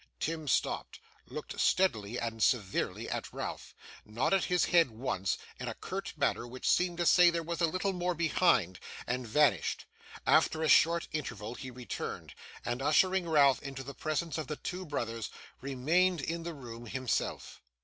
Tim stopped, looked steadily and severely at Ralph, nodded his head once, in a curt manner which seemed to say there was a little more behind, and vanished. After a short interval, he returned, and, ushering Ralph into the presence of the two brothers, remained in the room himself.